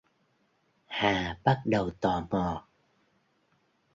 Hà bắt đầu tò mò